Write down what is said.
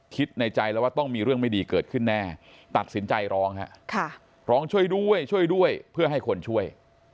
คิดในใจแล้วว่าต้องมีเรื่องไม่ดีเกิดขึ้นแน่ตัดสินใจร้องฮะร้องร้องช่วยด้วยช่วยด้วยเพื่อให้คนช่วย